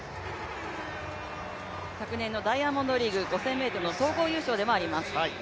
昨年のダイヤモンドリーグ５０００ｍの総合優勝でもあります。